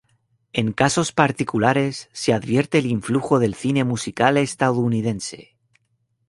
En casos particulares, se advierte el influjo del cine musical estadounidense.